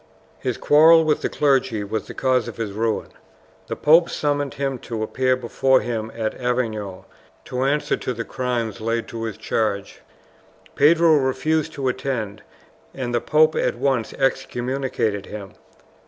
His quarrel with the clergy was the cause of his ruin. The pope summoned him to appear before him at Avignon to answer to the crimes laid to his charge. Pedro refused to attend, and the pope at once excommunicated him.